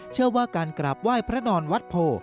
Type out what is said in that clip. เชื่อว่าการกราบไหว้พระนอนวัดโพ